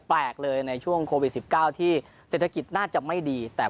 แปลกเลยในช่วงโควิด๑๙ที่เศรษฐกิจน่าจะไม่ดีแต่